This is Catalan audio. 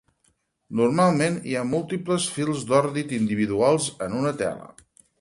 Normalment hi ha múltiples fils d'ordit individuals en una tela.